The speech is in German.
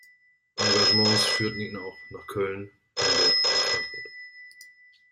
Engagements führten ihn auch nach Köln, Hamburg und Frankfurt.